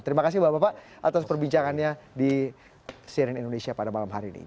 terima kasih bapak bapak atas perbincangannya di cnn indonesia pada malam hari ini